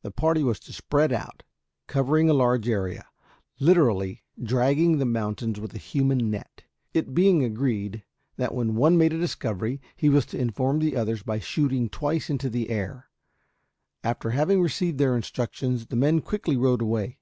The party was to spread out, covering a large area, literally dragging the mountains with a human net, it being agreed that when one made a discovery he was to inform the others by shooting twice into the air. After having received their instructions the men quickly rode away.